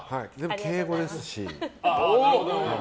敬語ですし。